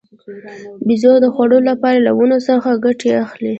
بیزو د خوړو لپاره له ونو څخه ګټه اخلي.